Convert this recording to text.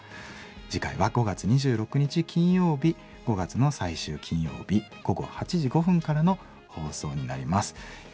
次回は５月２６日金曜日５月の最終金曜日午後８時５分からの放送になります。